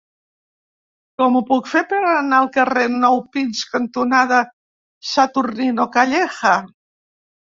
Com ho puc fer per anar al carrer Nou Pins cantonada Saturnino Calleja?